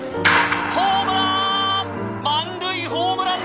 ホームラン！